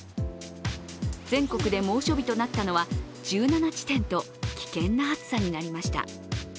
全国で猛暑日となったのは１７地点と危険な暑さになりました